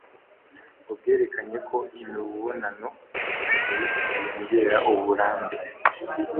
ngo bwerekanye ko imibonano mpuzabitsina yongera uburambe,